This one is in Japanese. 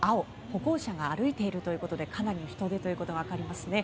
歩行者が歩いているということでかなりの人出ということがわかりますね。